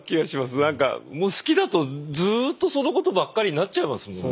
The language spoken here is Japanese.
なんか好きだとずっとそのことばっかりになっちゃいますもんね。